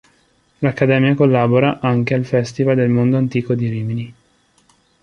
L'Accademia collabora anche al Festival del Mondo Antico di Rimini.